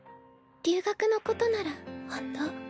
留学のことなら本当。